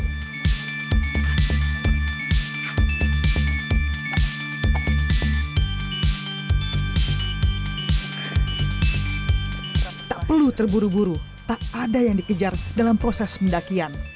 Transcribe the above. tak perlu terburu buru tak ada yang dikejar dalam proses pendakian